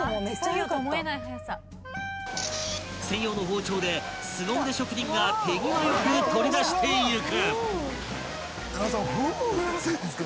［専用の包丁ですご腕職人が手際良く取り出してゆく］